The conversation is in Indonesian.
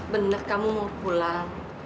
benar kamu mau pulang